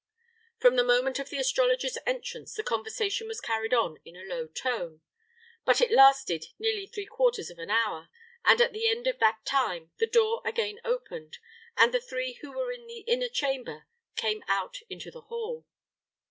From the moment of the astrologer's entrance the conversation was carried on in a low tone; but it lasted nearly three quarters of an hour, and at the end of that time the door again opened, and the three who were in the inner chamber came out into the hall.